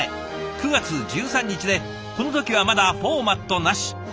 ９月１３日でこの時はまだフォーマットなし。